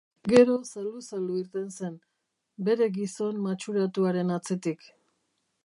Gero zalu-zalu irten zen, bere gizon matxuratuaren atzetik.